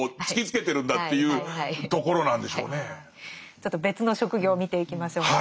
ちょっと別の職業を見ていきましょうか。